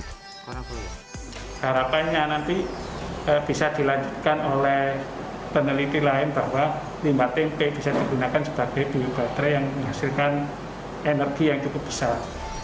harapannya nanti bisa dilanjutkan oleh peneliti lain bahwa lima tempe bisa digunakan sebagai bio baterai yang menghasilkan energi yang cukup besar